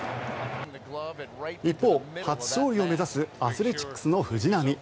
一方、初勝利を目指すアスレチックスの藤浪。